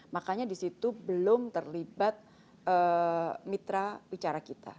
makanya disitu belum terlibat mitra bicara kita